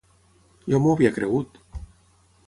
Jo m'ho havia cregut.